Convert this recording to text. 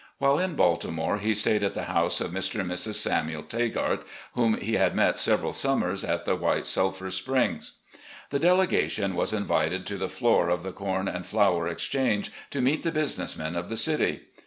While in Baltimore he stayed at the house of Mr. and Mrs. Samuel Tagart, whom he had met several summers at the White Sulphur Springs. The delegation was invited to the floor of the Com and Flour Exchange, to meet the business men of the city.